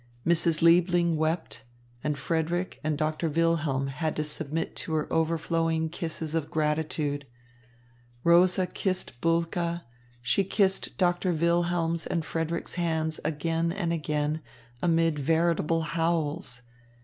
Mrs. Liebling wept, and Frederick and Doctor Wilhelm had to submit to her overflowing kisses of gratitude. Rosa kissed Bulke; she kissed Doctor Wilhelm's and Frederick's hands again and again, amid veritable howls.